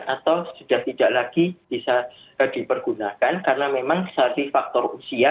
atau sudah tidak lagi bisa dipergunakan karena memang saat ini faktor usia